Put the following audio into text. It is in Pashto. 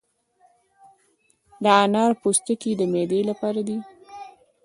د انار پوستکي د معدې لپاره دي.